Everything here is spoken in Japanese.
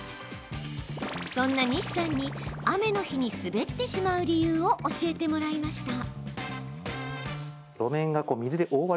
そんな西さんに雨の日に滑ってしまう理由を教えてもらいました。